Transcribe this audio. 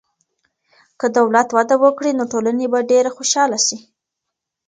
که دولت وده وکړي، نو ټولني به ډېره خوشحاله سي.